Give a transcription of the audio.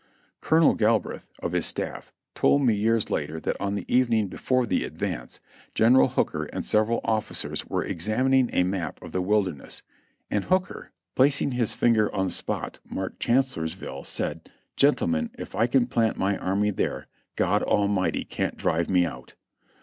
Colonel Galbraith, of his staff, told me years later that on the evening before the advance, General Hooker and several general officers were examining a map of the Wilderness, and Hooker, placing his finger on the spot marked CHANCEl.I.ORSVII.IvE 353 Chancellorsville, said : "Gentlemen, if I can plant my army there, God Almighty can't drive me out."